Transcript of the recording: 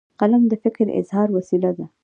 قلم د فکر اظهار وسیله ده.